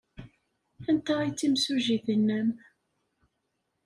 Anta ay d timsujjit-nnem?